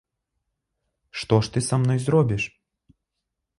Што ж ты са мной зробіш?